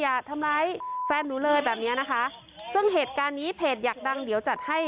อย่าทำร้ายแฟนหนูเลยแบบเนี้ยนะคะซึ่งเหตุการณ์นี้เพจอยากดังเดี๋ยวจัดให้